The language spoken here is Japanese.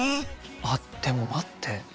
あっでも待って。